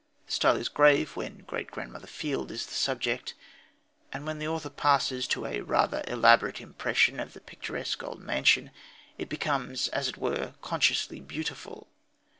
The style is grave when great grandmother Field is the subject, and when the author passes to a rather elaborate impression of the picturesque old mansion it becomes as it were consciously beautiful.